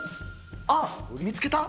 あっ、見つけた？